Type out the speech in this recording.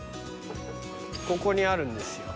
ここにあるんですよ。